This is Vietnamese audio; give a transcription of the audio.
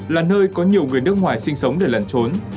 là nơi có nhiều người nước ngoài sinh sống để lẩn trốn